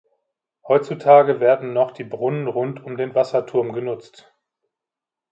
Heutzutage werden noch die Brunnen rund um den Wasserturm genutzt.